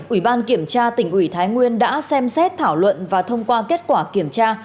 ủy ban kiểm tra tỉnh ủy thái nguyên đã xem xét thảo luận và thông qua kết quả kiểm tra